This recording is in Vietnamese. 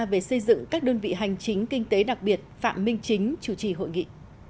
về xây dựng các đơn vị hành chính kinh tế đặc biệt phạm minh chính chủ trì hội nghị